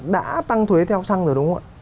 đã tăng thuế theo xăng rồi đúng không ạ